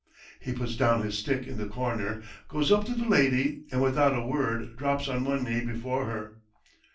He puts down his stick in the corner, goes up to the lady, and without a word drops on one knee before her.